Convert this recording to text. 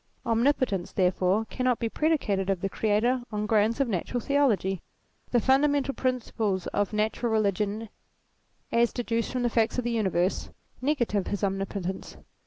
Omnipotence, therefore, cannot be predicated of the Creator on grounds of natural theology. The fundamental principles of natural religion as deduced ATTRIBUTES 181 from the facts of the universe, negative his omni potence.